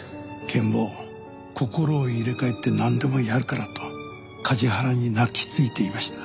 ケン坊心を入れ替えてなんでもやるからと梶原に泣きついていました。